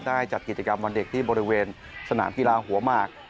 จัดกิจกรรมวันเด็กที่บริเวณสนามกีฬาหัวหมาก